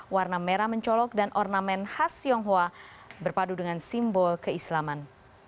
warna merah mencolok dan ornamen khas tionghoa berpadu dengan simbol keislaman